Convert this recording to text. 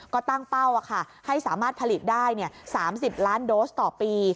ก็ตั้งเป้าให้สามารถผลิตได้๓๐ล้านโดสต่อปี